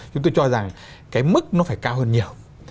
chúng tôi cho rằng cái mức nó phải cao hơn nhiều